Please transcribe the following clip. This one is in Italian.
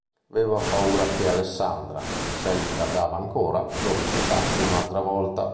Aveva paura che Alessandra, s'egli tardava ancora, lo rifiutasse un'altra volta.